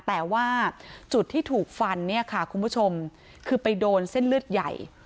แต่ว่าจุดที่ถูกฟันเนี่ยค่ะคุณผู้ชมคือไปโดนเส้นเลือดใหญ่